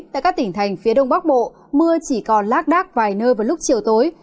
tại các tỉnh thành phía đông bắc bộ mưa chỉ còn lác đác vài nơi vào lúc chiều tối